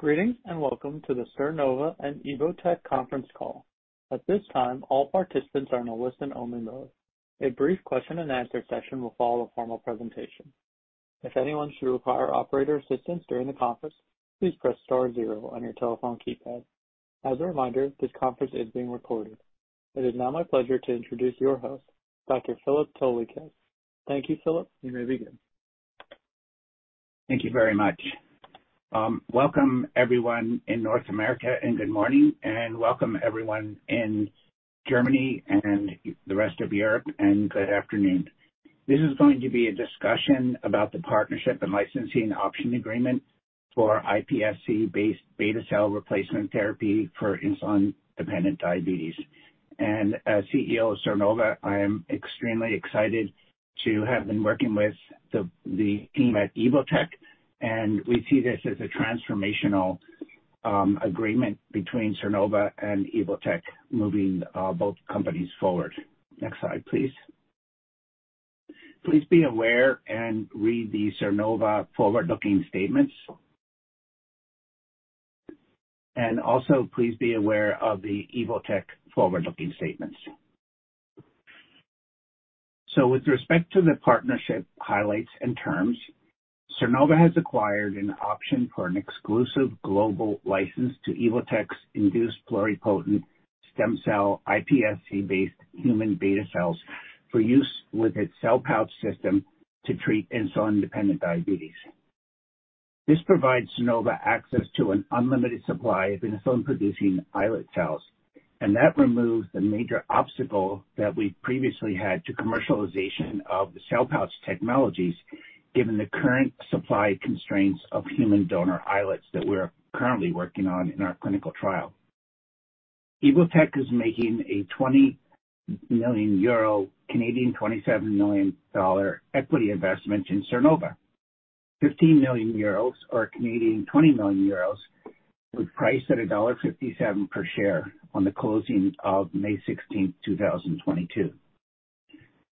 Greetings and welcome to the Sernova and Evotec conference call. At this time, all participants are in a listen only mode. A brief question and answer session will follow a formal presentation. If anyone should require operator assistance during the conference, please press star zero on your telephone keypad. As a reminder, this conference is being recorded. It is now my pleasure to introduce your host, Dr. Philip Toleikis. Thank you, Philip. You may begin. Thank you very much. Welcome everyone in North America and good morning, and welcome everyone in Germany and the rest of Europe, and good afternoon. This is going to be a discussion about the partnership and licensing option agreement for iPSC-based beta cell replacement therapy for insulin-dependent diabetes. As CEO of Sernova, I am extremely excited to have been working with the team at Evotec, and we see this as a transformational agreement between Sernova and Evotec moving both companies forward. Next slide, please. Please be aware and read the Sernova forward-looking statements. Also please be aware of the Evotec forward-looking statements. With respect to the partnership highlights and terms, Sernova has acquired an option for an exclusive global license to Evotec's induced pluripotent stem cell iPSC-based human beta cells for use with its Cell Pouch system to treat insulin-dependent diabetes. This provides Sernova access to an unlimited supply of insulin-producing islet cells, and that removes the major obstacle that we previously had to commercialization of the Cell Pouch technologies, given the current supply constraints of human donor islets that we're currently working on in our clinical trial. Evotec is making a 20 million euro, 27 million Canadian dollars equity investment in Sernova. 15 million euros or CAD 20 million with price at dollar 1.57 per share on the closing of May 16, 2022.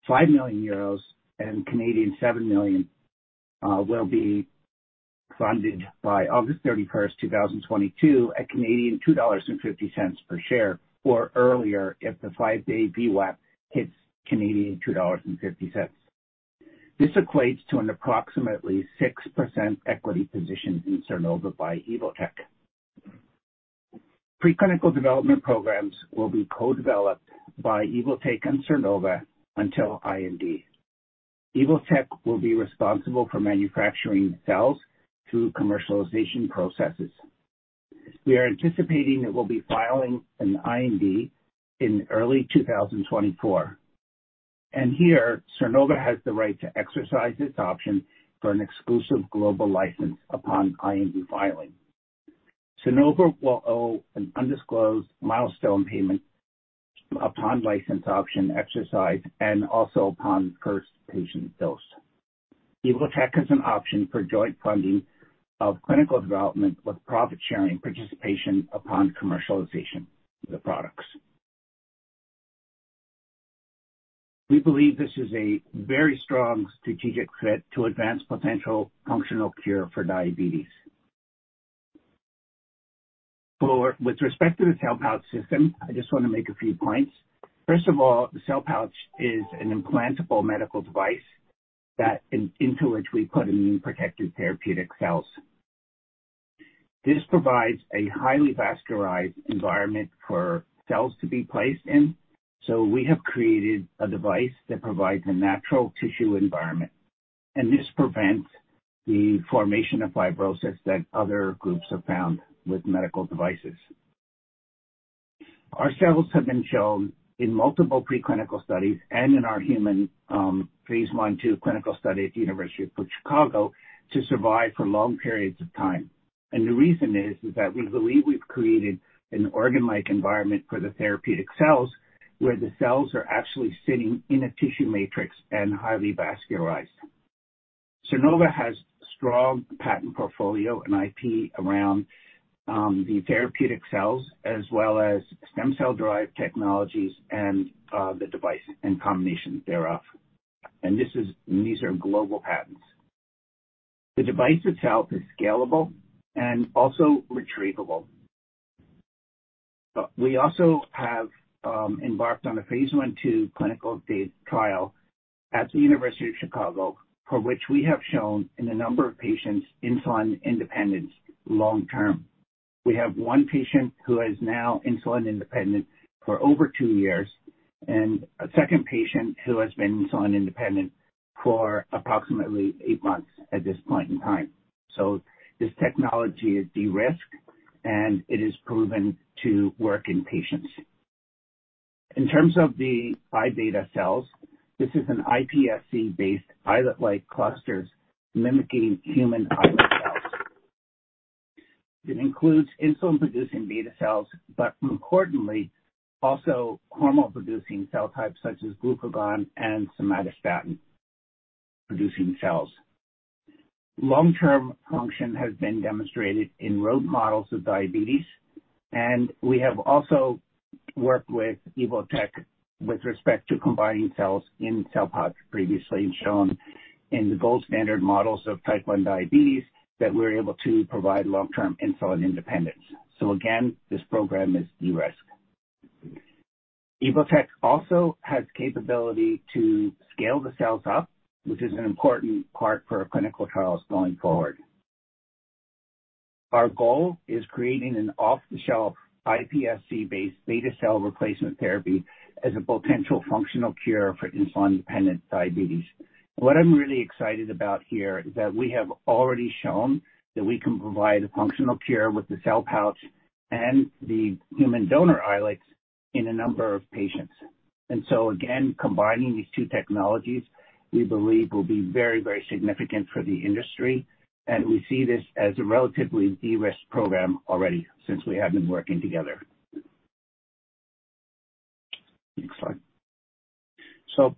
5 million euros and 7 million will be funded by August 31, 2022 at 2.50 Canadian dollars per share, or earlier if the five-day VWAP hits 2.50 Canadian dollars. This equates to an approximately 6% equity position in Sernova by Evotec. Preclinical development programs will be co-developed by Evotec and Sernova until IND. Evotec will be responsible for manufacturing cells through commercialization processes. We are anticipating that we'll be filing an IND in early 2024. Here, Sernova has the right to exercise its option for an exclusive global license upon IND filing. Sernova will owe an undisclosed milestone payment upon license option exercise and also upon first patient dose. Evotec has an option for joint funding of clinical development with profit sharing participation upon commercialization of the products. We believe this is a very strong strategic fit to advance potential functional cure for diabetes. With respect to the Cell Pouch system, I just want to make a few points. First of all, the Cell Pouch is an implantable medical device that into which we put immune-protected therapeutic cells. This provides a highly vascularized environment for cells to be placed in. We have created a device that provides a natural tissue environment, and this prevents the formation of fibrosis that other groups have found with medical devices. Our cells have been shown in multiple preclinical studies and in our human phase 1/2 clinical study at The University of Chicago to survive for long periods of time. The reason is that we believe we've created an organ-like environment for the therapeutic cells, where the cells are actually sitting in a tissue matrix and highly vascularized. Sernova has strong patent portfolio and IP around the therapeutic cells as well as stem cell-derived technologies and the device and combination thereof. These are global patents. The device itself is scalable and also retrievable. We also have embarked on a phase 1/2 clinical phase trial at The University of Chicago, for which we have shown in a number of patients insulin independence long term. We have one patient who is now insulin independent for over two years, and a second patient who has been insulin independent for approximately eight months at this point in time. This technology is de-risked, and it is proven to work in patients. In terms of the iBeta cells, this is an iPSC-based islet-like clusters mimicking human islet cells. It includes insulin-producing beta cells, but more importantly, also hormonal producing cell types such as glucagon and somatostatin producing cells. Long-term function has been demonstrated in rodent models of diabetes, and we have also worked with Evotec with respect to combining cells in Cell Pouch, previously shown in the gold standard models of type one diabetes that we're able to provide long-term insulin independence. Again, this program is de-risk. Evotec also has capability to scale the cells up, which is an important part for our clinical trials going forward. Our goal is creating an off-the-shelf iPSC-based beta cell replacement therapy as a potential functional cure for insulin-dependent diabetes. What I'm really excited about here is that we have already shown that we can provide a functional cure with the Cell Pouch and the human donor islets in a number of patients. Again, combining these two technologies, we believe will be very, very significant for the industry, and we see this as a relatively de-risk program already since we have been working together. Next slide.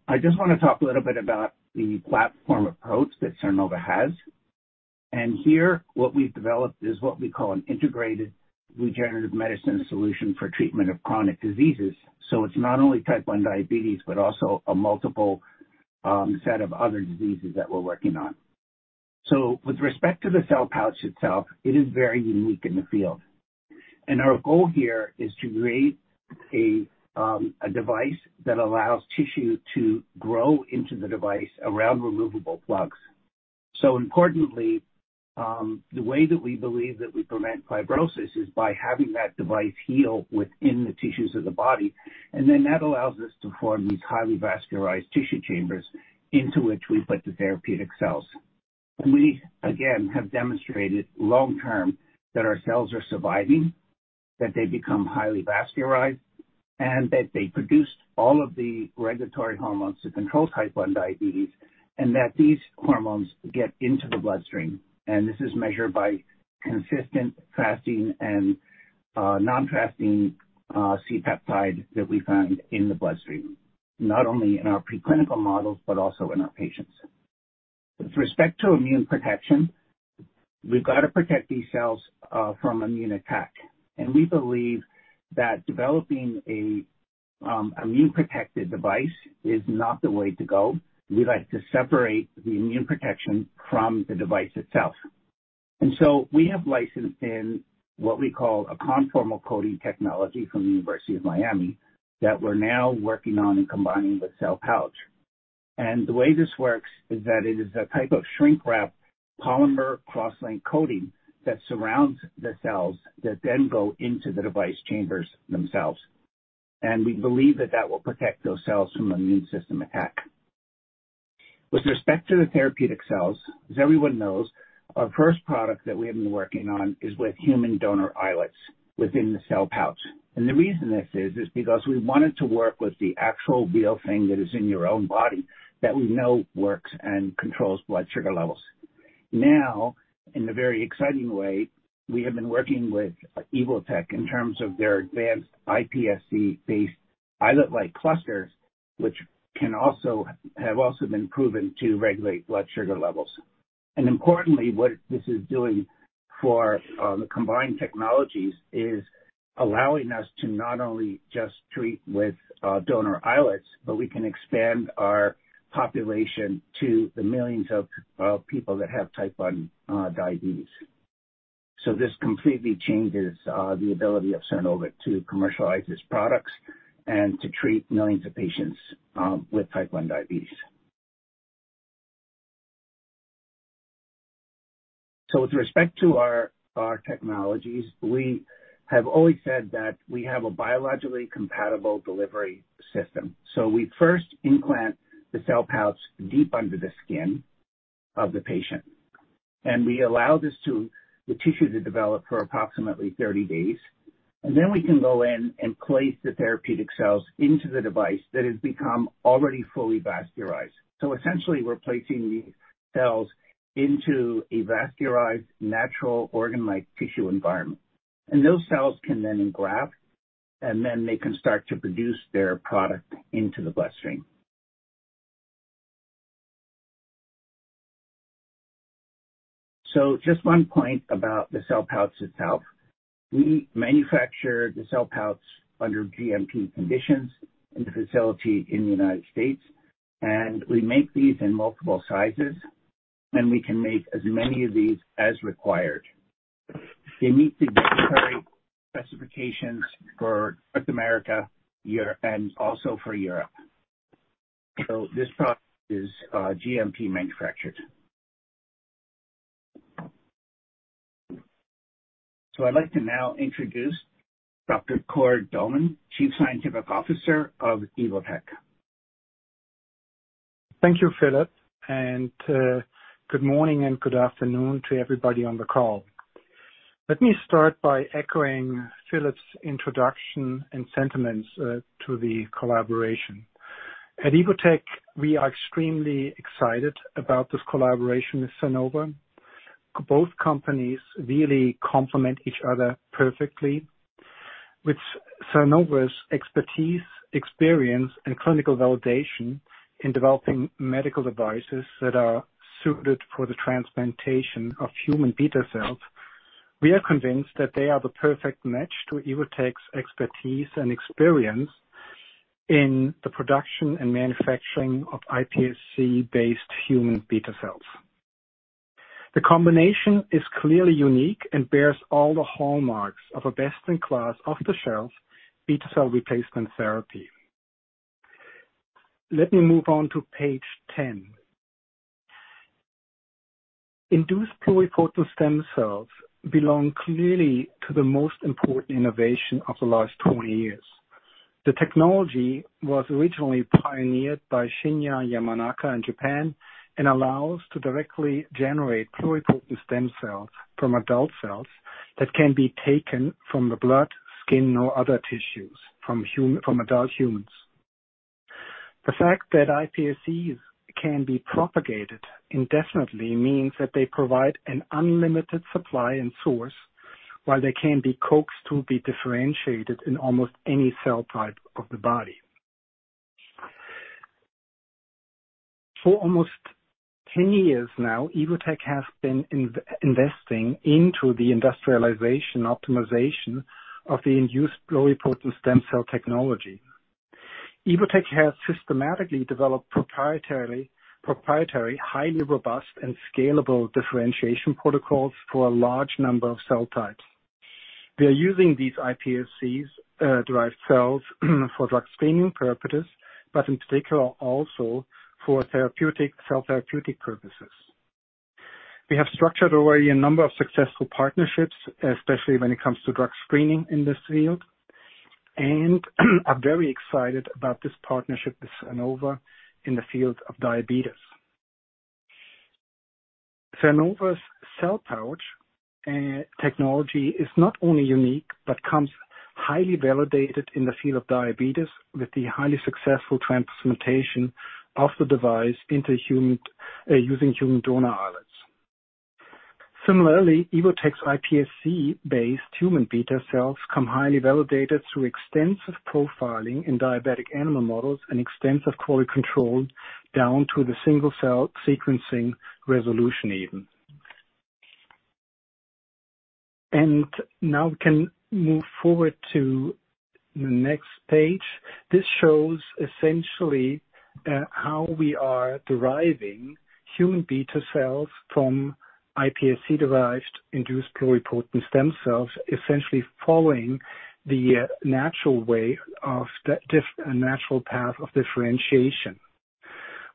I just want to talk a little bit about the platform approach that Sernova has. Here what we've developed is what we call an integrated regenerative medicine solution for treatment of chronic diseases. It's not only type 1 diabetes, but also a multiple set of other diseases that we're working on. With respect to the Cell Pouch itself, it is very unique in the field. Our goal here is to create a device that allows tissue to grow into the device around removable plugs. Importantly, the way that we believe that we prevent fibrosis is by having that device heal within the tissues of the body, and then that allows us to form these highly vascularized tissue chambers into which we put the therapeutic cells. We, again, have demonstrated long term that our cells are surviving, that they become highly vascularized, and that they produced all of the regulatory hormones to control type 1 diabetes, and that these hormones get into the bloodstream. This is measured by consistent fasting and non-fasting C-peptide that we find in the bloodstream, not only in our preclinical models, but also in our patients. With respect to immune protection, we've got to protect these cells from immune attack, and we believe that developing a immune-protected device is not the way to go. We like to separate the immune protection from the device itself. We have licensed in what we call a conformal coating technology from the University of Miami that we're now working on and combining with Cell Pouch. The way this works is that it is a type of shrink wrap polymer cross-link coating that surrounds the cells that then go into the device chambers themselves. We believe that that will protect those cells from immune system attack. With respect to the therapeutic cells, as everyone knows, our first product that we have been working on is with human donor islets within the Cell Pouch. The reason this is because we wanted to work with the actual real thing that is in your own body that we know works and controls blood sugar levels. Now, in a very exciting way, we have been working with Evotec in terms of their advanced iPSC-based islet-like clusters, which have also been proven to regulate blood sugar levels. Importantly, what this is doing for the combined technologies is allowing us to not only just treat with donor islets, but we can expand our population to the millions of people that have type 1 diabetes. This completely changes the ability of Sernova to commercialize its products and to treat millions of patients with type 1 diabetes. With respect to our technologies, we have always said that we have a biologically compatible delivery system. We first implant the Cell Pouch deep under the skin of the patient, and we allow the tissue to develop for approximately 30 days. Then we can go in and place the therapeutic cells into the device that has become already fully vascularized. Essentially, we're placing these cells into a vascularized natural organ-like tissue environment. Those cells can then engraft, and then they can start to produce their product into the bloodstream. Just one point about the Cell Pouch itself. We manufacture the Cell Pouch under GMP conditions in a facility in the United States, and we make these in multiple sizes, and we can make as many of these as required. They meet the regulatory specifications for North America, and also for Europe. This product is GMP manufactured. I'd like to now introduce Dr. Cord Dohrmann, Chief Scientific Officer of Evotec. Thank you, Philip Toleikis, and good morning and good afternoon to everybody on the call. Let me start by echoing Philip Toleikis's introduction and sentiments to the collaboration. At Evotec, we are extremely excited about this collaboration with Sernova. Both companies really complement each other perfectly. With Sernova's expertise, experience, and clinical validation in developing medical devices that are suited for the transplantation of human beta cells, we are convinced that they are the perfect match to Evotec's expertise and experience in the production and manufacturing of iPSC-based human beta cells. The combination is clearly unique and bears all the hallmarks of a best in class, off-the-shelf beta cell replacement therapy. Let me move on to page 10. Induced pluripotent stem cells belong clearly to the most important innovation of the last 20 years. The technology was originally pioneered by Shinya Yamanaka in Japan and allows to directly generate pluripotent stem cells from adult cells that can be taken from the blood, skin or other tissues from adult humans. The fact that iPSCs can be propagated indefinitely means that they provide an unlimited supply and source, while they can be coaxed to be differentiated in almost any cell type of the body. For almost 10 years now, Evotec has been investing into the industrialization optimization of the induced pluripotent stem cell technology. Evotec has systematically developed proprietary, highly robust and scalable differentiation protocols for a large number of cell types. We are using these iPSCs, derived cells for drug screening purposes, but in particular also for therapeutic, cell therapeutic purposes. We have structured already a number of successful partnerships, especially when it comes to drug screening in this field, and are very excited about this partnership with Sernova in the field of diabetes. Sernova's Cell Pouch technology is not only unique, but comes highly validated in the field of diabetes with the highly successful transplantation of the device into human using human donor islets. Similarly, Evotec's iPSC-based human beta cells come highly validated through extensive profiling in diabetic animal models and extensive quality control down to the single cell sequencing resolution even. Now we can move forward to the next page. This shows essentially how we are deriving human beta cells from iPSC-derived induced pluripotent stem cells, essentially following the natural path of differentiation.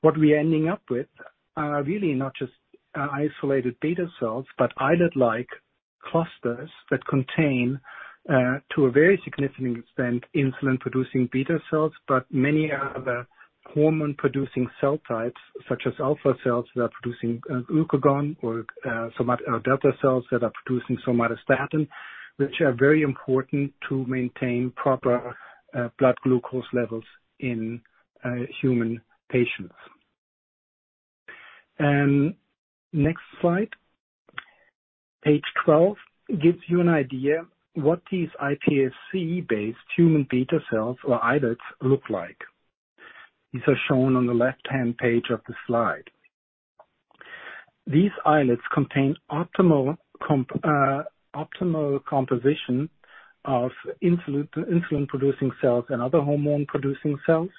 What we're ending up with are really not just isolated beta cells, but islet-like clusters that contain, to a very significant extent, insulin-producing beta cells, but many other hormone-producing cell types, such as alpha cells that are producing glucagon or somatostatin or delta cells that are producing somatostatin, which are very important to maintain proper blood glucose levels in human patients. Next slide. Page 12 gives you an idea what these iPSC-based human beta cells or islets look like. These are shown on the left-hand page of the slide. These islets contain optimal composition of insulin-producing cells and other hormone-producing cells.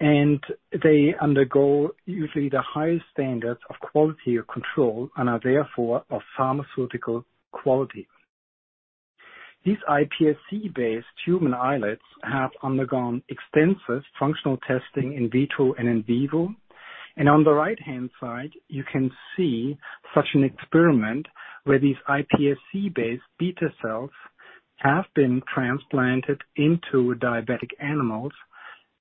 They undergo usually the highest standards of quality control and are therefore of pharmaceutical quality. These iPSC-based human islets have undergone extensive functional testing in vitro and in vivo. On the right-hand side, you can see such an experiment where these iPSC-based beta cells have been transplanted into diabetic animals,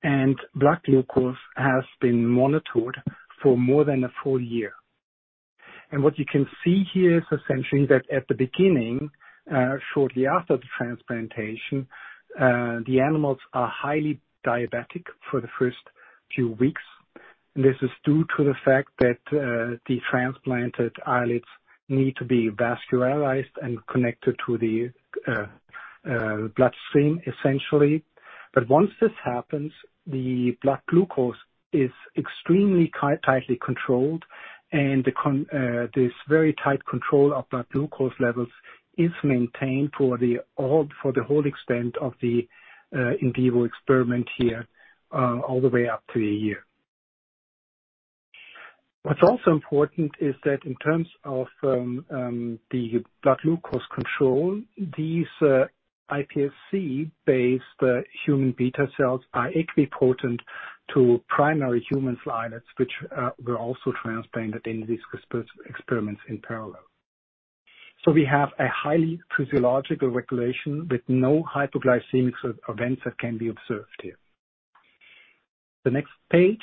and blood glucose has been monitored for more than a full year. What you can see here is essentially that at the beginning, shortly after the transplantation, the animals are highly diabetic for the first few weeks. This is due to the fact that, the transplanted islets need to be vascularized and connected to the bloodstream, essentially. Once this happens, the blood glucose is extremely tightly controlled, and this very tight control of blood glucose levels is maintained for the whole extent of the in vivo experiment here, all the way up to a year. What's also important is that in terms of the blood glucose control, these iPSC-based human beta cells are equipotent to primary human islets, which were also transplanted in these separate experiments in parallel. We have a highly physiological regulation with no hypoglycemic events that can be observed here. The next page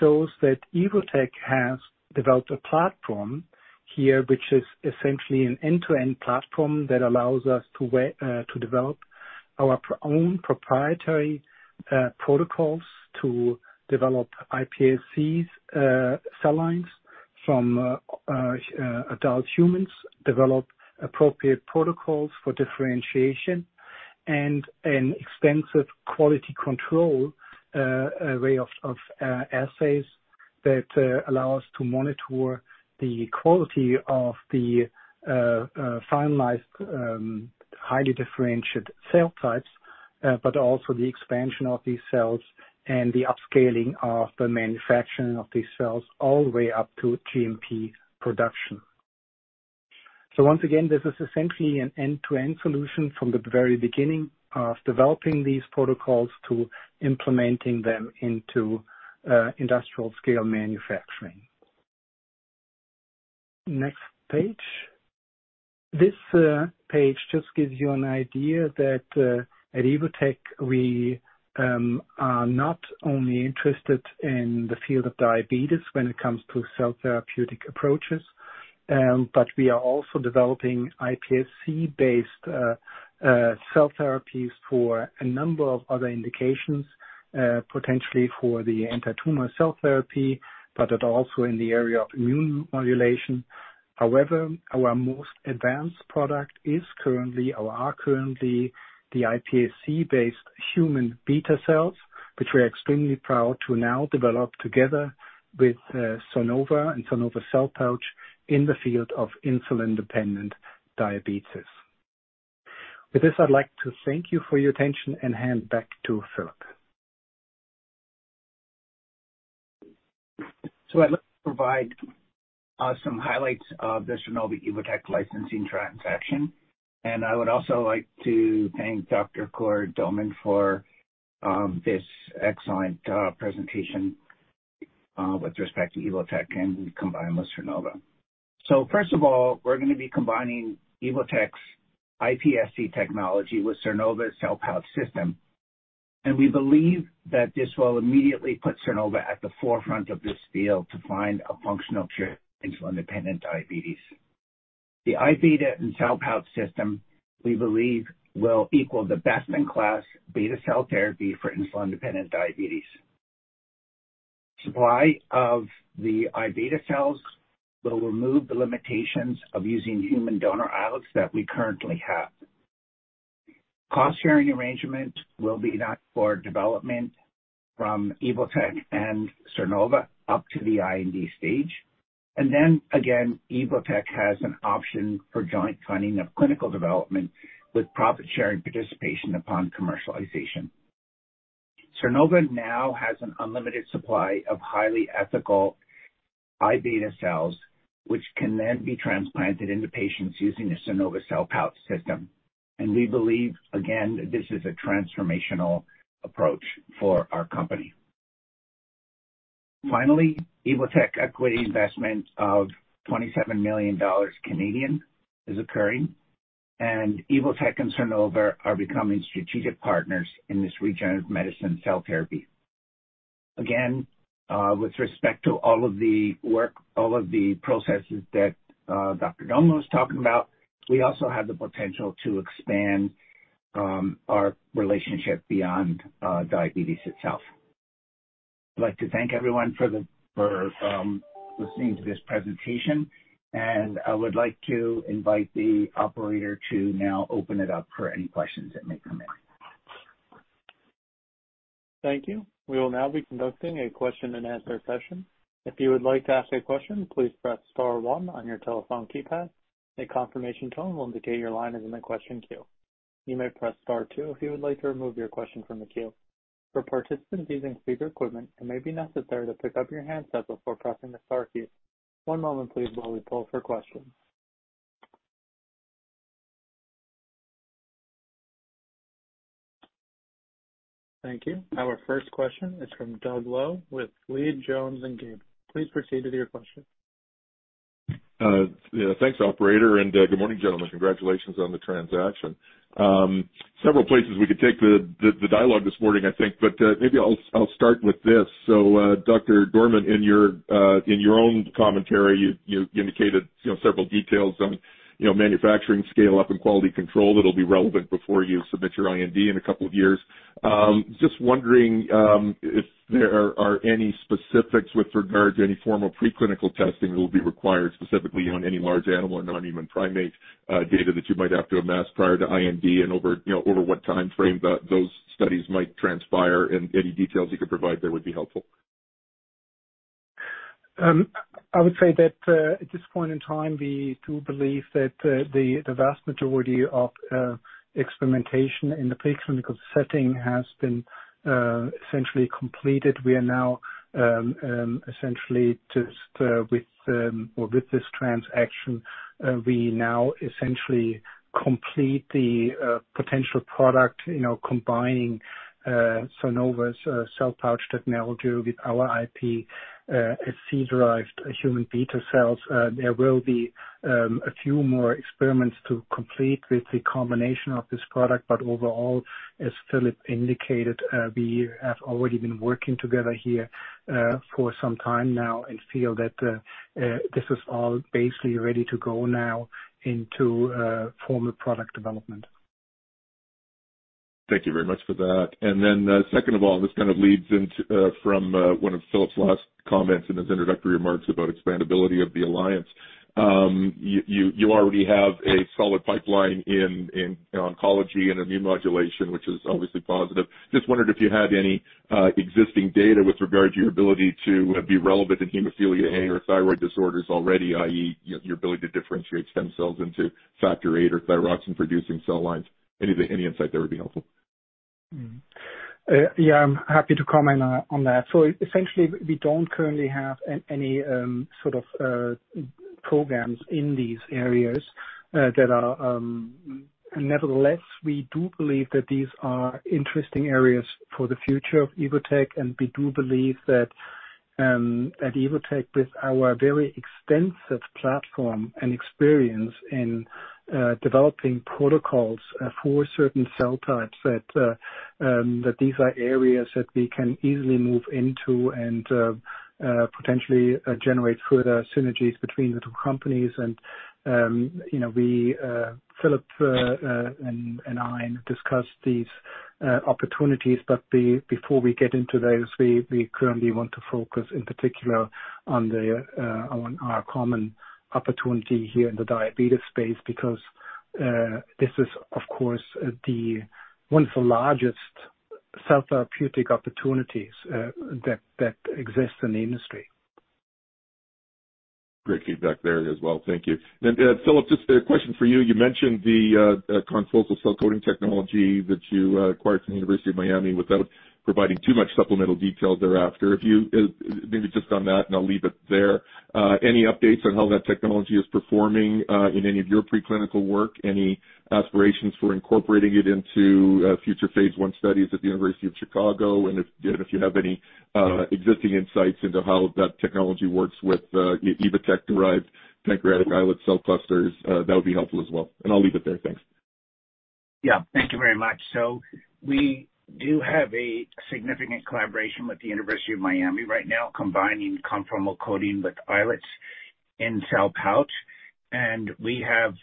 shows that Evotec has developed a platform here which is essentially an end-to-end platform that allows us to develop our own proprietary protocols to develop iPSCs cell lines from adult humans, develop appropriate protocols for differentiation and an extensive quality control array of assays that allow us to monitor the quality of the finalized highly differentiated cell types but also the expansion of these cells and the upscaling of the manufacturing of these cells all the way up to GMP production. Once again, this is essentially an end-to-end solution from the very beginning of developing these protocols to implementing them into industrial scale manufacturing. Next page. This page just gives you an idea that at Evotec, we are not only interested in the field of diabetes when it comes to cell therapeutic approaches, but we are also developing iPSC-based cell therapies for a number of other indications, potentially for the antitumor cell therapy, but it also in the area of immune modulation. However, our most advanced product is currently or are currently the iPSC-based human beta cells, which we're extremely proud to now develop together with Sernova and Sernova Cell Pouch in the field of insulin-dependent diabetes. With this, I'd like to thank you for your attention and hand back to Philip. I'd like to provide some highlights of the Sernova-Evotec licensing transaction. I would also like to thank Dr. Cord Dohrmann for this excellent presentation with respect to Evotec and combined with Sernova. First of all, we're gonna be combining Evotec's iPSC technology with Sernova's Cell Pouch system. We believe that this will immediately put Sernova at the forefront of this field to find a functional cure for insulin-dependent diabetes. The iBeta and Cell Pouch system, we believe, will equal the best-in-class beta cell therapy for insulin-dependent diabetes. Supply of the iBeta cells will remove the limitations of using human donor islets that we currently have. Cost-sharing arrangement will be done for development from Evotec and Sernova up to the IND stage. Then again, Evotec has an option for joint funding of clinical development with profit-sharing participation upon commercialization. Sernova now has an unlimited supply of highly ethical iBeta cells, which can then be transplanted into patients using the Sernova Cell Pouch system. We believe, again, this is a transformational approach for our company. Finally, Evotec equity investment of 27 million Canadian dollars is occurring, and Evotec and Sernova are becoming strategic partners in this regenerative medicine cell therapy. Again, with respect to all of the work, all of the processes that Dr. Cord Dohrmann was talking about, we also have the potential to expand our relationship beyond diabetes itself. I'd like to thank everyone for listening to this presentation, and I would like to invite the operator to now open it up for any questions that may come in. Thank you. We will now be conducting a question-and-answer session. If you would like to ask a question, please press star one on your telephone keypad. A confirmation tone will indicate your line is in the question queue. You may press star two if you would like to remove your question from the queue. For participants using speaker equipment, it may be necessary to pick up your handset before pressing the star key. One moment please while we pull for questions. Thank you. Our first question is from Doug Lowe with Leede Jones Gable. Please proceed with your question. Yeah, thanks, operator, and good morning, gentlemen. Congratulations on the transaction. Several places we could take the dialogue this morning, I think, but maybe I'll start with this. Dr. Dohrmann, in your own commentary, you indicated, you know, several details on, you know, manufacturing scale-up and quality control that'll be relevant before you submit your IND in a couple of years. Just wondering if there are any specifics with regard to any form of preclinical testing that will be required specifically on any large animal or non-human primate data that you might have to amass prior to IND and over what timeframe those studies might transpire, and any details you could provide there would be helpful. I would say that at this point in time, we do believe that the vast majority of experimentation in the preclinical setting has been essentially completed. We are now essentially, with this transaction, we now essentially complete the potential product, you know, combining Sernova's Cell Pouch technology with our IP, SC-derived human beta cells. There will be a few more experiments to complete with the combination of this product, but overall, as Philip indicated, we have already been working together here for some time now and feel that this is all basically ready to go now into formal product development. Thank you very much for that. Second of all, this kind of leads into from one of Philip Toleikis's last comments in his introductory remarks about expandability of the alliance. You already have a solid pipeline in oncology and immune modulation, which is obviously positive. Just wondered if you had any existing data with regard to your ability to be relevant in hemophilia A or thyroid disorders already, i.e., your ability to differentiate stem cells into Factor VIII or thyroxine producing cell lines. Any insight there would be helpful. Yeah, I'm happy to comment on that. Essentially, we don't currently have any sort of programs in these areas. Nevertheless, we do believe that these are interesting areas for the future of Evotec. We do believe that at Evotec, with our very extensive platform and experience in developing protocols for certain cell types that these are areas that we can easily move into and potentially generate further synergies between the two companies. You know, Philip and I discuss these opportunities, but before we get into those, we currently want to focus in particular on our common opportunity here in the diabetes space, because this is of course the one of the largest cell therapeutic opportunities that exists in the industry. Great feedback there as well. Thank you. Philip, just a question for you. You mentioned the conformal coating technology that you acquired from the University of Miami without providing too much supplemental detail thereafter. If you maybe just on that, and I'll leave it there. Any updates on how that technology is performing in any of your preclinical work? Any aspirations for incorporating it into future phase one studies at the University of Chicago? If you have any existing insights into how that technology works with Evotec-derived pancreatic islet cell clusters, that would be helpful as well. I'll leave it there. Thanks. Yeah. Thank you very much. We do have a significant collaboration with the University of Miami right now, combining conformal coating with islets in Cell Pouch. We have,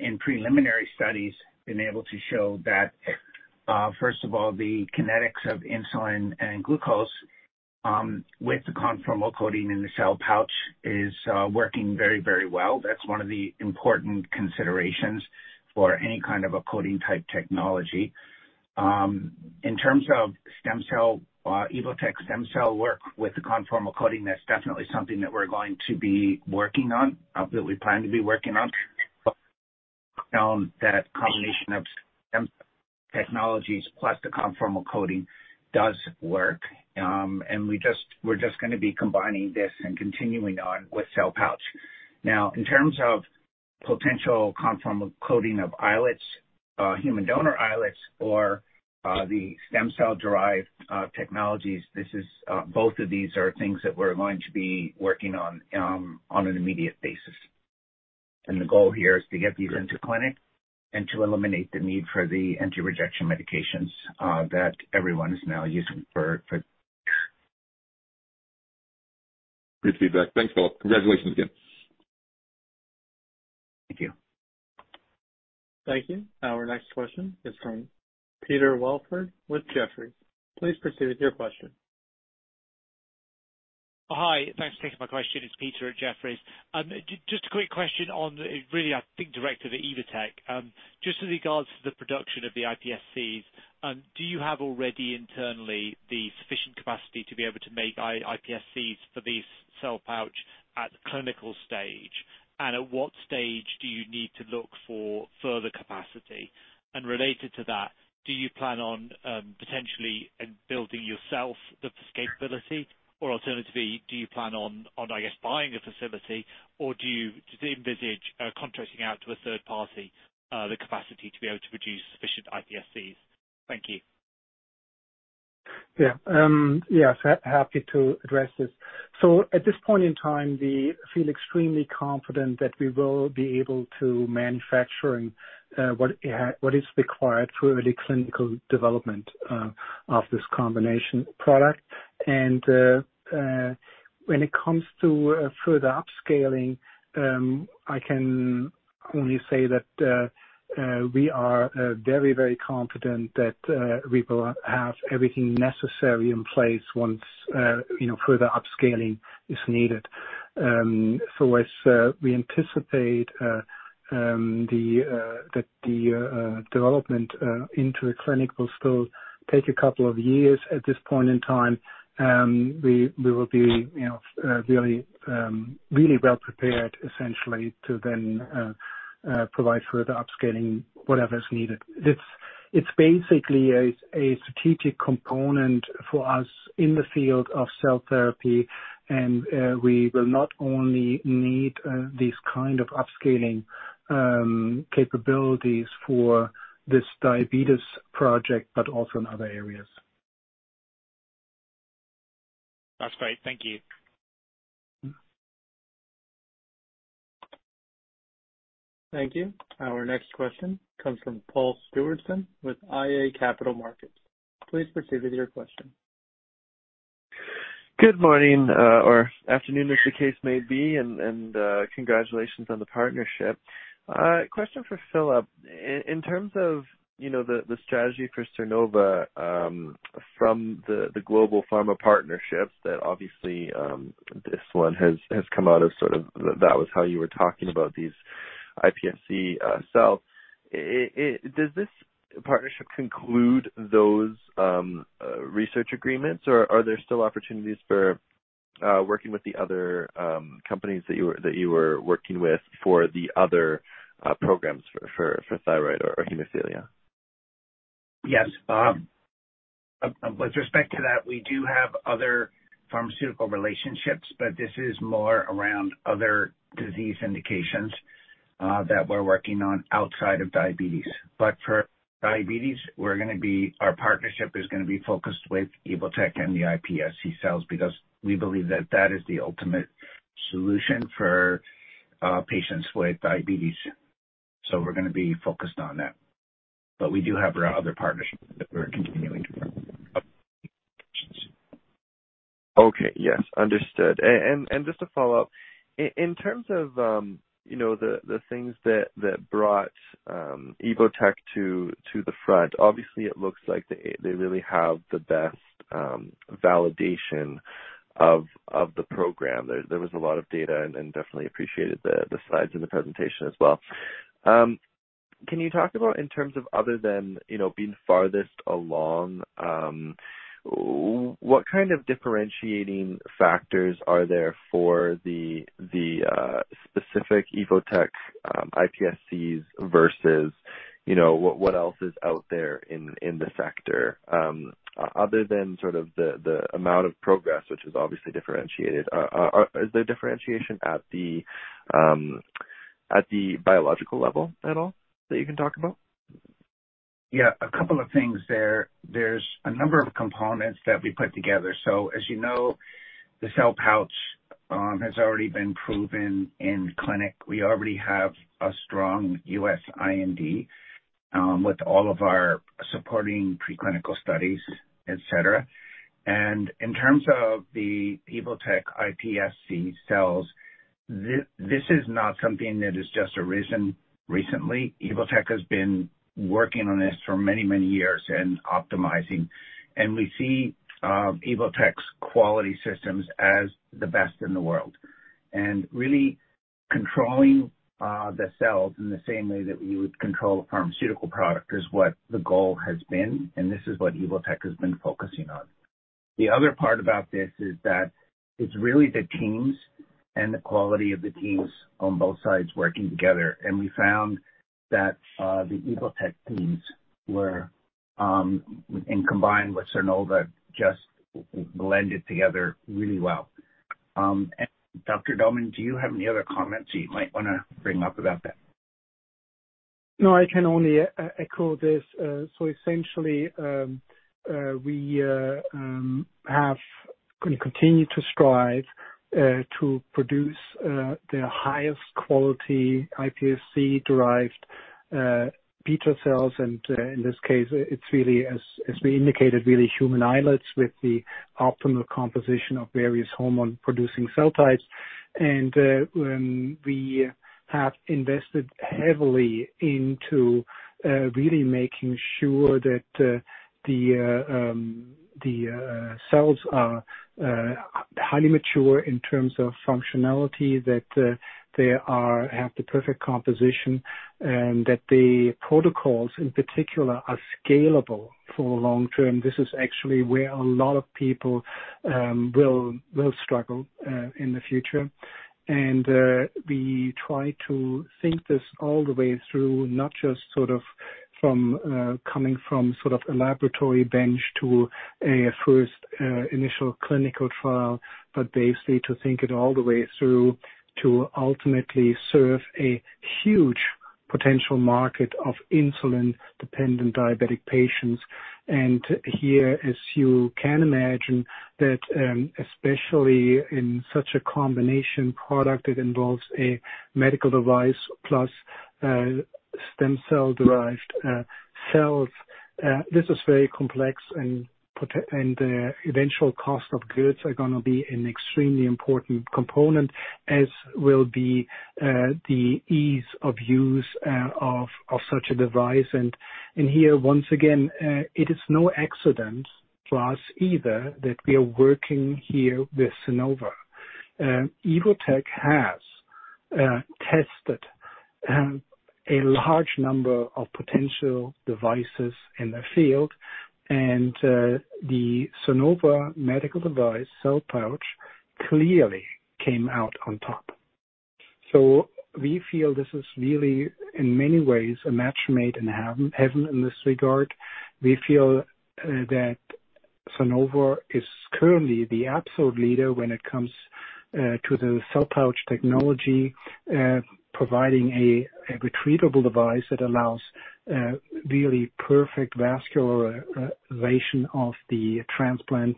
in preliminary studies, been able to show that, first of all, the kinetics of insulin and glucose, with the conformal coating in the Cell Pouch is working very, very well. That's one of the important considerations for any kind of a coating type technology. In terms of stem cell, Evotec stem cell work with the conformal coating, that's definitely something that we're going to be working on, that we plan to be working on. That combination of stem technologies plus the conformal coating does work. We're just gonna be combining this and continuing on with Cell Pouch. Now, in terms of potential conformal coating of islets, human donor islets or the stem cell-derived technologies, this is both of these are things that we're going to be working on an immediate basis. The goal here is to get these into clinic and to eliminate the need for the anti-rejection medications that everyone is now using for Great feedback. Thanks, Philip. Congratulations again. Thank you. Thank you. Our next question is from Peter Welford with Jefferies. Please proceed with your question. Hi. Thanks for taking my question. It's Peter Welford at Jefferies. Just a quick question really, I think, direct to Evotec. Just with regards to the production of the iPSCs, do you have already internally the sufficient capacity to be able to make iPSCs for these Cell Pouch at the clinical stage? At what stage do you need to look for further capacity? Related to that, do you plan on potentially building yourself the scalability? Alternatively, do you plan on, I guess, buying a facility? Do you envisage contracting out to a third party the capacity to be able to produce sufficient iPSCs? Thank you. Yeah. Yes, happy to address this. At this point in time, we feel extremely confident that we will be able to manufacture what is required for early clinical development of this combination product. When it comes to further upscaling, I can only say that we are very confident that we will have everything necessary in place once you know further upscaling is needed. We anticipate that the development into the clinic will still take a couple of years at this point in time. We will be you know really well prepared essentially to then provide further upscaling, whatever is needed. This, it's basically a strategic component for us in the field of cell therapy. We will not only need these kind of upscaling capabilities for this diabetes project, but also in other areas. That's great. Thank you. Mm-hmm. Thank you. Our next question comes from Paul Stewardson with iA Capital Markets. Please proceed with your question. Good morning or afternoon, as the case may be, and congratulations on the partnership. Question for Philip Toleikis. In terms of the strategy for Sernova, from the global pharma partnerships that obviously this one has come out of sort of that was how you were talking about these. iPSC cell. Does this partnership conclude those research agreements, or are there still opportunities for working with the other companies that you were working with for the other programs for thyroid or hemophilia? Yes. With respect to that, we do have other pharmaceutical relationships, but this is more around other disease indications that we're working on outside of diabetes. For diabetes, our partnership is gonna be focused with Evotec and the iPSC cells because we believe that that is the ultimate solution for patients with diabetes. We're gonna be focused on that, but we do have our other partnerships that we're continuing to work on. Okay. Yes, understood. Just to follow up, in terms of, you know, the things that brought Evotec to the front, obviously it looks like they really have the best validation of the program. There was a lot of data and definitely appreciated the slides in the presentation as well. Can you talk about in terms of other than, you know, being farthest along, what kind of differentiating factors are there for the specific Evotec iPSCs versus, you know, what else is out there in the sector? Other than sort of the amount of progress, which is obviously differentiated, is there differentiation at the biological level at all that you can talk about? Yeah, a couple of things there. There's a number of components that we put together. As you know, the Cell Pouch has already been proven in clinic. We already have a strong U.S. IND with all of our supporting preclinical studies, et cetera. In terms of the Evotec iPSC cells, this is not something that has just arisen recently. Evotec has been working on this for many, many years and optimizing. We see Evotec's quality systems as the best in the world. Really controlling the cells in the same way that we would control a pharmaceutical product is what the goal has been, and this is what Evotec has been focusing on. The other part about this is that it's really the teams and the quality of the teams on both sides working together. We found that the Evotec teams were and combined with Sernova, just blended together really well. Dr. Cord Dohrmann, do you have any other comments that you might wanna bring up about that? No, I can only echo this. Essentially, we're gonna continue to strive to produce the highest quality iPSC-derived beta cells. We have invested heavily into really making sure that the cells are highly mature in terms of functionality, that they have the perfect composition and that the protocols in particular are scalable for long term. This is actually where a lot of people will struggle in the future. We try to think this all the way through, not just sort of from coming from sort of a laboratory bench to a first initial clinical trial, but basically to think it all the way through to ultimately serve a huge potential market of insulin-dependent diabetic patients. Here, as you can imagine, that especially in such a combination product, it involves a medical device plus stem cell-derived cells, this is very complex and the eventual cost of goods are gonna be an extremely important component, as will be the ease of use of such a device. Here once again, it is no accident to us either that we are working here with Sernova. Evotec has tested a large number of potential devices in the field, and the Sernova medical device Cell Pouch clearly came out on top. We feel this is really in many ways a match made in heaven in this regard. We feel that Sernova is currently the absolute leader when it comes to the Cell Pouch technology, providing a retrievable device that allows really perfect vascularization of the transplant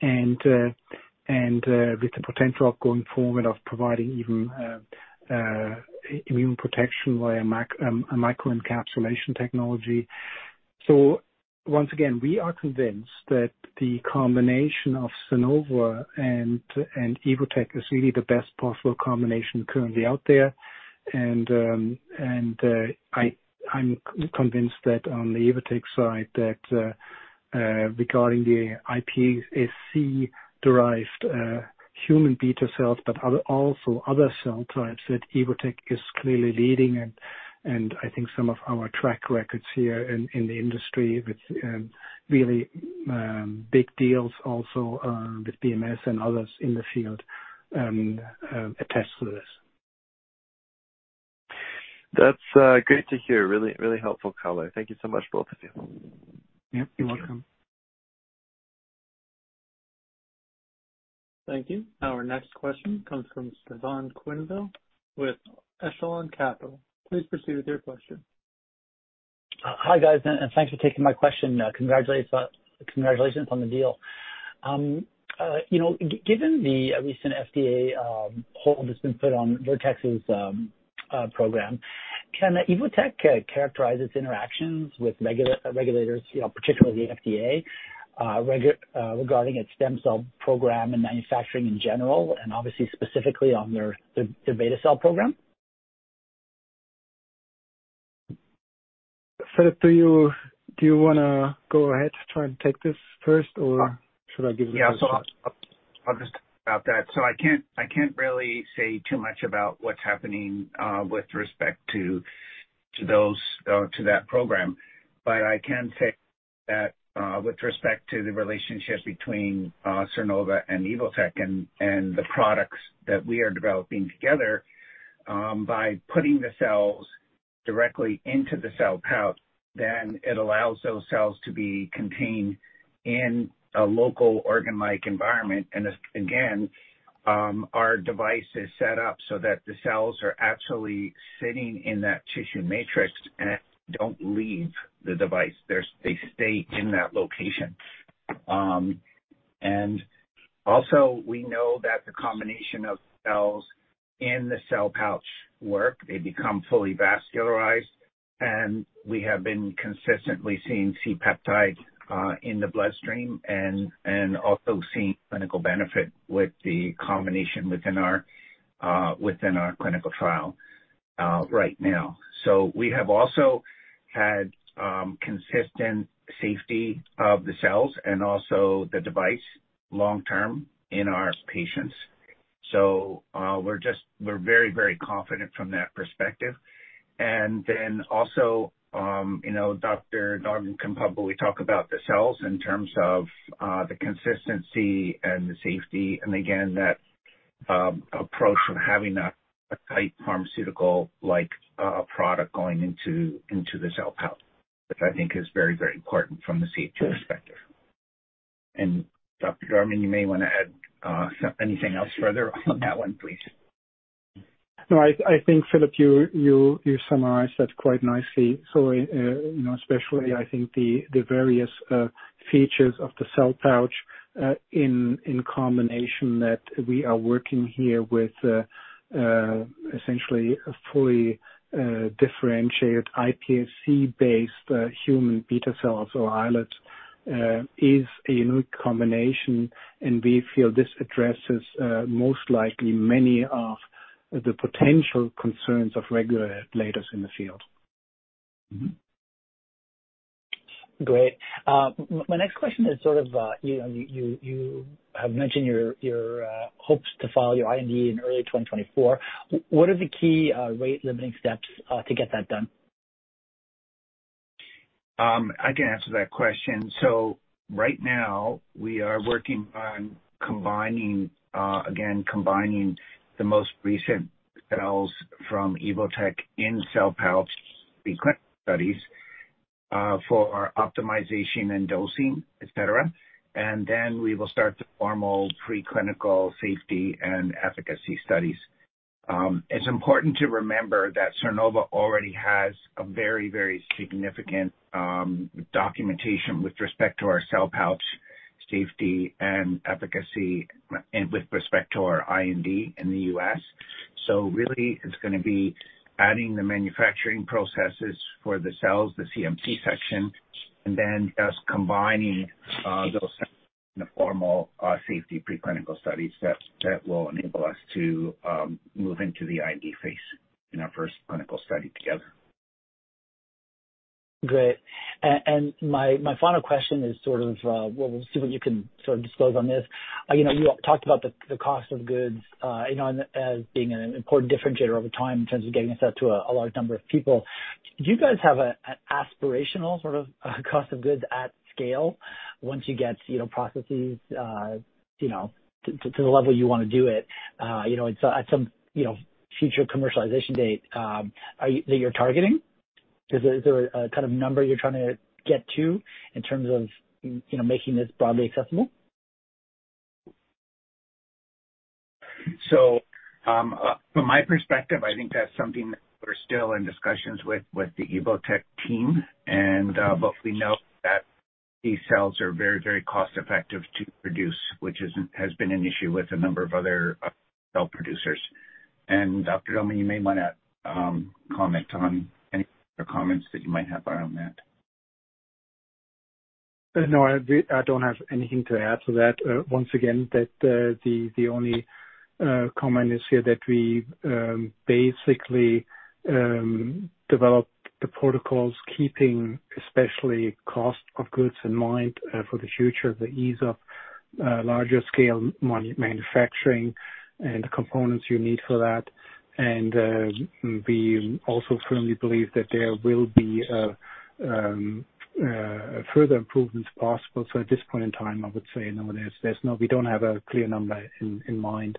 and with the potential of going forward of providing even immune protection via microencapsulation technology. We are convinced that the combination of Sernova and Evotec is really the best possible combination currently out there. I'm convinced that on the Evotec side, regarding the iPSC-derived human beta cells, but also other cell types that Evotec is clearly leading. I think some of our track records here in the industry with really big deals also with BMS and others in the field attest to this. That's great to hear. Really, really helpful color. Thank you so much, both of you. Yep, you're welcome. Thank you. Thank you. Our next question comes from Stefan Quenneville with Echelon Capital Markets. Please proceed with your question. Hi, guys, and thanks for taking my question. Congratulations on the deal. You know, given the recent FDA hold that's been put on Vertex's program, can Evotec characterize its interactions with regulators, you know, particularly the FDA, regarding its stem cell program and manufacturing in general, and obviously specifically on their beta cell program? Philip, do you wanna go ahead to try and take this first, or should I give it a shot? Yeah. I can't really say too much about what's happening with respect to that program. I can say that with respect to the relationship between Sernova and Evotec and the products that we are developing together, by putting the cells directly into the Cell Pouch, it allows those cells to be contained in a local organ-like environment. Again, our device is set up so that the cells are actually sitting in that tissue matrix and don't leave the device. They stay in that location. Also, we know that the combination of cells in the Cell Pouch work. They become fully vascularized. We have been consistently seeing C-peptide in the bloodstream and also seeing clinical benefit with the combination within our clinical trial right now. We have also had consistent safety of the cells and also the device long term in our patients. We're very, very confident from that perspective. Then also, you know, Dr. Dohrmann can probably talk about the cells in terms of the consistency and the safety, and again, that approach of having a tight pharmaceutical-like product going into the Cell Pouch, which I think is very, very important from the safety perspective. Dr. Dohrmann, you may wanna add anything else further on that one, please. No, I think, Philip, you summarized that quite nicely. You know, especially I think the various features of the Cell Pouch in combination that we are working here with essentially a fully differentiated iPSC-based human beta cells or islets is a new combination, and we feel this addresses most likely many of the potential concerns of regulators in the field. Mm-hmm. Great. My next question is sort of, you know, you have mentioned your hopes to file your IND in early 2024. What are the key rate limiting steps to get that done? I can answer that question. Right now we are working on combining again the most recent cells from Evotec in Cell Pouch clinical studies for optimization and dosing, et cetera. Then we will start the formal preclinical safety and efficacy studies. It's important to remember that Sernova already has a very, very significant documentation with respect to our Cell Pouch safety and efficacy and with respect to our IND in the U.S. Really it's gonna be adding the manufacturing processes for the cells, the CMC section, and then just combining those in the formal safety preclinical studies that will enable us to move into the IND phase in our first clinical study together. Great. And my final question is sort of, well, we'll see what you can sort of disclose on this. You know, you talked about the cost of goods, you know, as being an important differentiator over time in terms of getting this out to a large number of people. Do you guys have an aspirational sort of cost of goods at scale once you get, you know, processes, you know, to the level you wanna do it, you know, at some, you know, future commercialization date, are you that you're targeting? Is there a kind of number you're trying to get to in terms of, you know, making this broadly accessible? From my perspective, I think that's something that we're still in discussions with the Evotec team. But we know that these cells are very, very cost-effective to produce, which has been an issue with a number of other cell producers. Dr. Dohrmann, you may wanna comment on any other comments that you might have around that. No, I don't have anything to add to that. Once again, that, the only Comment is here that we basically developed the protocols keeping especially cost of goods in mind, for the future, the ease of larger scale manufacturing and the components you need for that. We also firmly believe that there will be further improvements possible. At this point in time, I would say no, there's no we don't have a clear number in mind,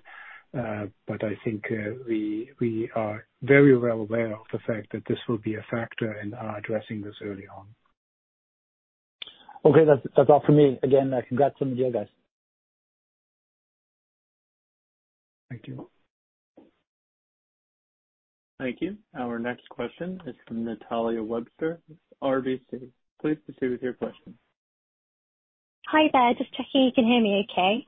but I think we are very well aware of the fact that this will be a factor and are addressing this early on. Okay. That's all for me. Again, congrats on the other guys. Thank you. Thank you. Our next question is from Natalia Webster with RBC. Please proceed with your question. Hi there. Just checking you can hear me okay.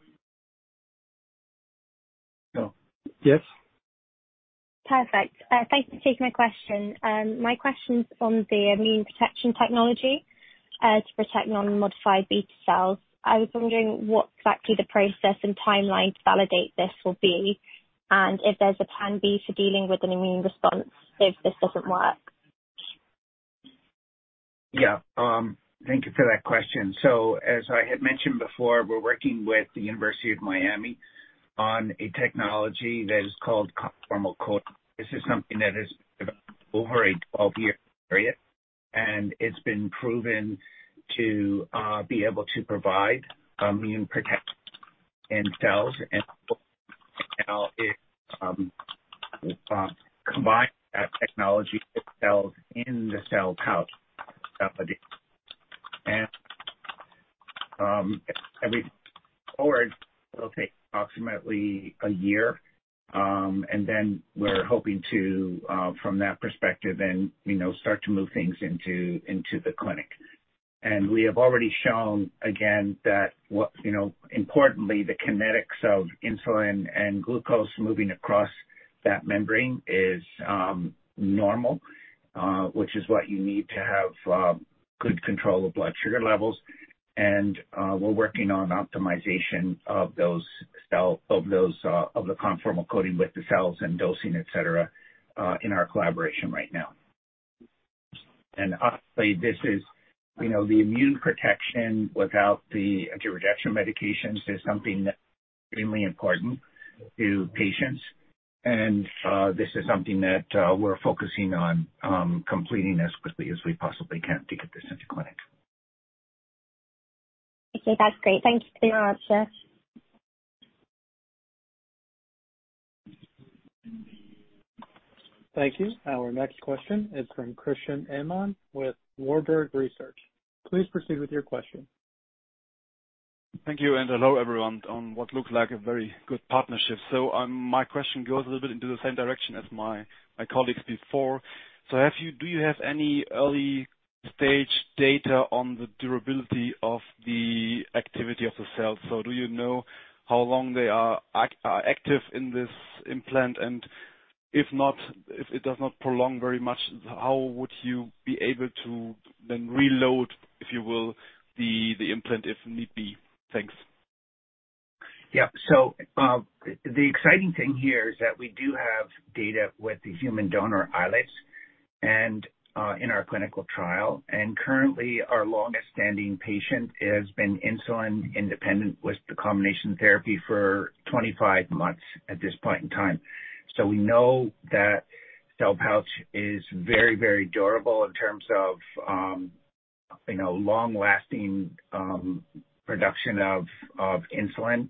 Yeah. Yes. Perfect. Thanks for taking my question. My question's on the immune protection technology to protect non-modified beta cells. I was wondering what exactly the process and timeline to validate this will be, and if there's a plan B for dealing with an immune response if this doesn't work. Yeah. Thank you for that question. As I had mentioned before, we're working with the University of Miami on a technology that is called conformal coating. This is something that is developed over a 12-year period, and it's been proven to be able to provide immune protection in cells. Now it combines that technology with cells in the Cell Pouch. Going forward, it'll take approximately a year. Then we're hoping to, from that perspective and, you know, start to move things into the clinic. We have already shown again that, you know, importantly, the kinetics of insulin and glucose moving across that membrane is normal, which is what you need to have good control of blood sugar levels. We're working on optimization of the conformal coating with the cells and dosing, et cetera, in our collaboration right now. Honestly, this is, you know, the immune protection without the anti-rejection medications is something that's extremely important to patients. This is something that we're focusing on completing as quickly as we possibly can to get this into clinic. Okay. That's great. Thank you for your answer. Thank you. Our next question is from Christian Ehmann with Warburg Research. Please proceed with your question. Thank you, and hello, everyone, on what looks like a very good partnership. My question goes a little bit into the same direction as my colleagues before. Do you have any early stage data on the durability of the activity of the cell? Do you know how long they are active in this implant? And if not, if it does not prolong very much, how would you be able to then reload, if you will, the implant if need be? Thanks. Yeah. The exciting thing here is that we do have data with the human donor islets and in our clinical trial. Currently, our longest standing patient has been insulin independent with the combination therapy for 25 months at this point in time. We know that Cell Pouch is very, very durable in terms of, you know, long-lasting production of insulin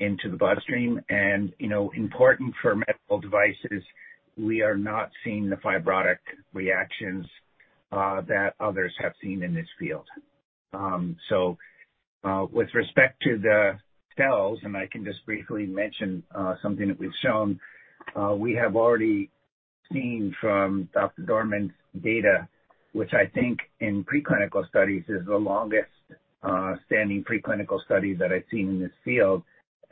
into the bloodstream. You know, important for medical devices, we are not seeing the fibrotic reactions that others have seen in this field. With respect to the cells, I can just briefly mention something that we've shown. We have already seen from Dr. Dohrmann's data, which I think in preclinical studies is the longest standing preclinical study that I've seen in this field.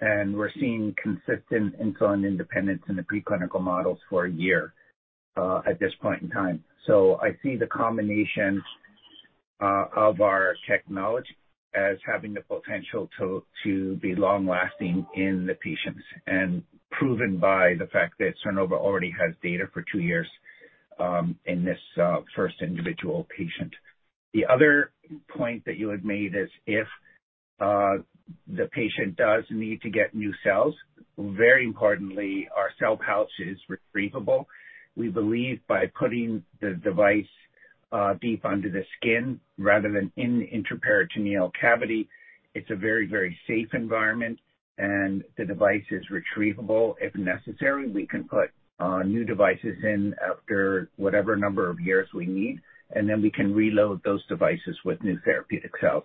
We're seeing consistent insulin independence in the preclinical models for a year at this point in time. I see the combination of our technology as having the potential to be long lasting in the patients and proven by the fact that Sernova already has data for two years in this first individual patient. The other point that you had made is if the patient does need to get new cells, very importantly, our Cell Pouch is retrievable. We believe by putting the device deep under the skin rather than in intraperitoneal cavity, it's a very, very safe environment, and the device is retrievable. If necessary, we can put new devices in after whatever number of years we need, and then we can reload those devices with new therapeutic cells.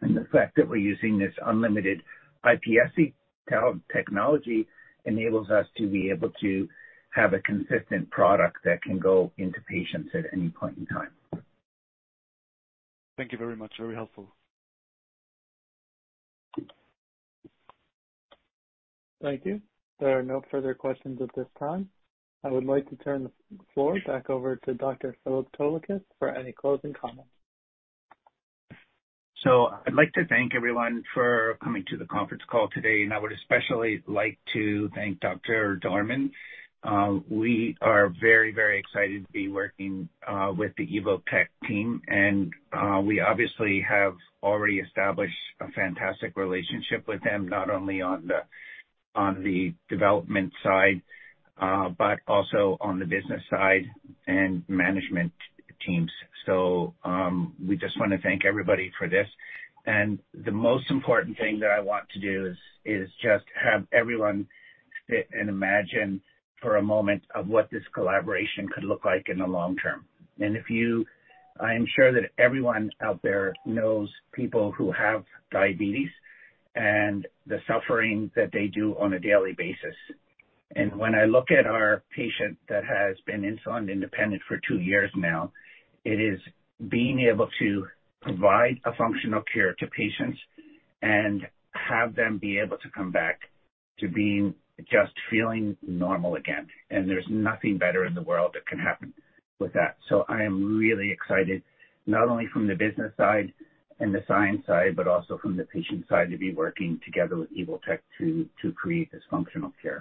The fact that we're using this unlimited iPSC cell technology enables us to be able to have a consistent product that can go into patients at any point in time. Thank you very much. Very helpful. Thank you. There are no further questions at this time. I would like to turn the floor back over to Dr. Philip Toleikis for any closing comments. I'd like to thank everyone for coming to the conference call today, and I would especially like to thank Dr. Cord Dohrmann. We are very, very excited to be working with the Evotec team. We obviously have already established a fantastic relationship with them, not only on the development side, but also on the business side and management teams. We just want to thank everybody for this. The most important thing that I want to do is just have everyone sit and imagine for a moment of what this collaboration could look like in the long term. I am sure that everyone out there knows people who have diabetes and the suffering that they do on a daily basis. When I look at our patient that has been insulin independent for two years now, it is being able to provide a functional cure to patients and have them be able to come back to being, just feeling normal again. There's nothing better in the world that can happen with that. I am really excited, not only from the business side and the science side, but also from the patient side, to be working together with Evotec to create this functional cure.